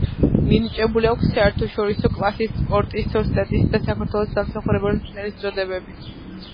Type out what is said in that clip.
მინიჭებული აქვს საერთაშორისო კლასის სპორტის ოსტატის და საქართველოს დამსახურებული მწვრთნელის წოდებები.